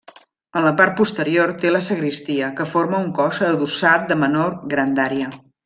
En la part posterior té la sagristia, que forma un cos adossat de menor grandària.